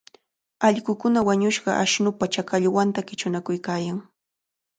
Allqukuna wañushqa ashnupa chakallwanta qichunakuykan.